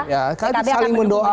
ya kami saling mendoakan